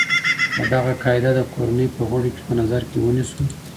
که دغه قاعده د کورنۍ په غړو کي په نظر کي ونيسو.